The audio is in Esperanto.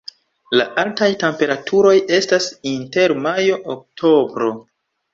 La altaj temperaturoj estas inter majo-oktobro.